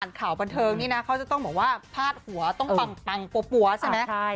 ข่าวบันเทิงนี่นะเขาจะต้องบอกว่าพาดหัวต้องปังปั๊วใช่ไหม